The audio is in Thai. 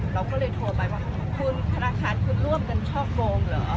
เราก็เลยโทรไปว่าคุณธนาคารคุณร่วมกันช่อโกงเหรอ